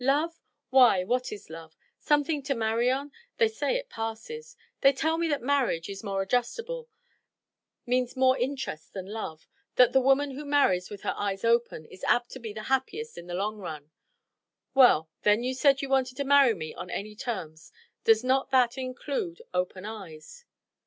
Love? Why, what is love? Something to marry on? They say it passes. They tell me that marriage is more adjustable, means more interests than love; that the woman who marries with her eyes open is apt to be the happiest in the long run. Well, then you said you wanted me on any terms. Does not that include open eyes?"